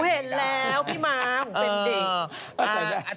เห็นแล้วพี่มากเป็นดิ